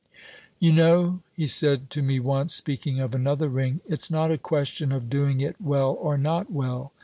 "You know," he said to me once, speaking of another ring, "it's not a question of doing it well or not well.